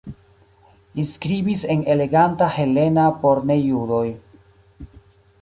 Li skribis en eleganta helena por ne-judoj.